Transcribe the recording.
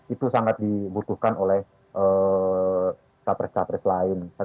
itu sangat dibutuhkan oleh capres capres lain